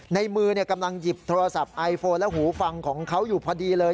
ในมือกำลังหยิบโทรศัพท์ไอโฟนและหูฟังของเขาอยู่พอดีเลย